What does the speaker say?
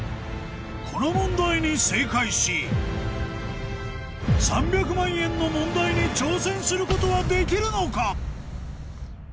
この問題に正解し３００万円の問題に挑戦することはできるのか？